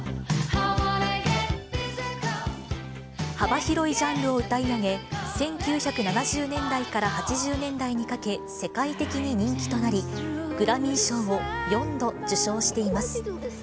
幅広いジャンルを歌い上げ、１９７０年代から８０年代にかけ世界的に人気となり、グラミー賞を４度受賞しています。